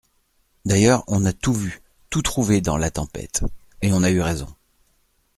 D'ailleurs on a tout vu, tout trouvé dans la Tempête, et on a eu raison.